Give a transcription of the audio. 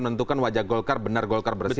menentukan wajah golkar benar golkar bersih